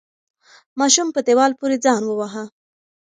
ماشوم په دیوال پورې ځان وواهه.